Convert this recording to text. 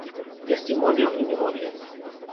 Testimonio y memorias".